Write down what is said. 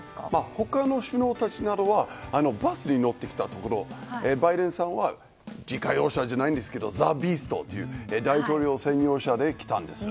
他の首脳たちなどはバスに乗ってきたところをバイデンさんは自家用車じゃないですけど「ビースト」という大統領専用車で来たんです。